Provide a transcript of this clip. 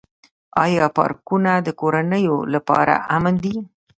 آیا پارکونه د کورنیو لپاره امن دي؟